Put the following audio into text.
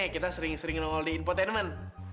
kita sering sering nongol di infotainment